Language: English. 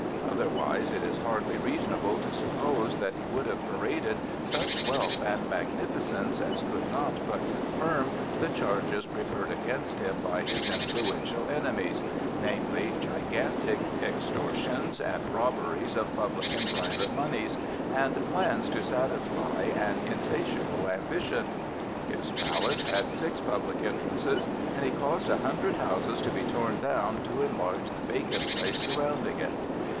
Otherwise it is hardly reasonable to suppose that he would have paraded such wealth and magnificence as could not but confirm the charges preferred against him by his influential enemies,—namely, gigantic extortions and robberies of public and private moneys, and plans to satisfy an insatiable ambition. His palace had six public entrances, and he caused a hundred houses to be torn down to enlarge the vacant place surrounding it.